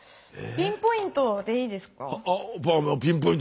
ピンポイントでいいんですよだから。